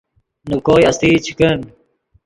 نے کوئے استئی چے کن